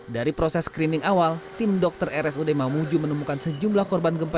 dari proses screening awal tim dokter rsud mamuju menemukan sejumlah korban gempa